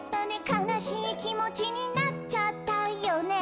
「かなしいきもちになっちゃったよね」